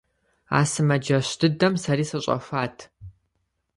А сымаджэщ дыдэм сэри сыщӀэхуат.